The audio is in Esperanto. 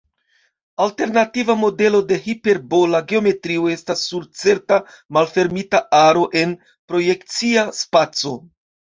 Alternativa modelo de hiperbola geometrio estas sur certa malfermita aro en projekcia spaco.